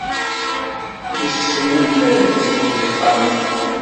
Yessen amek ara yessenz ixxamen.